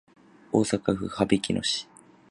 大阪府羽曳野市